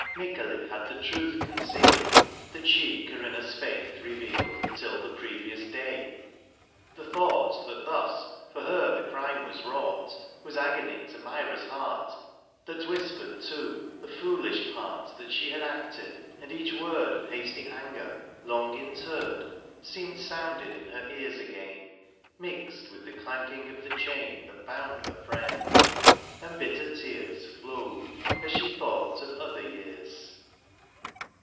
Mycale had the truth concealed^ That she Corinna^s faith revealed^ Until the previous day : the thought That thus for her the crime was wrought Was agony to Myra^s hearty That whispered^ too^ the foolish part That she had acted^ and each word Of hasty anger, long interred, Seemed sounded in her ears again. Mixed with the clanking of the chain That bound her friend : and bitter tears Flowed as she thought of other years.